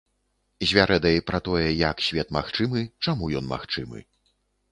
З вярэдай пра тое, як свет магчымы, чаму ён магчымы.